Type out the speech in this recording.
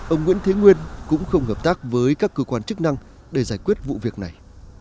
ông nguyễn thế nguyên cũng không hợp tác với các cơ quan chức năng để giải quyết vụ việc này